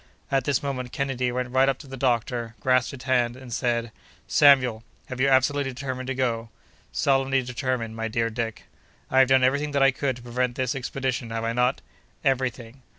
At this moment Kennedy went right up to the doctor, grasped his hand, and said: "Samuel, have you absolutely determined to go?" "Solemnly determined, my dear Dick." "I have done every thing that I could to prevent this expedition, have I not?" "Every thing!"